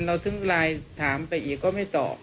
เราถึงไลน์ถามไปอีกก็ไม่ตอบ